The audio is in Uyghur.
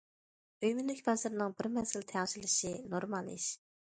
ئۆي- مۈلۈك بازىرىنىڭ بىر مەزگىل تەڭشىلىشى نورمال ئىش.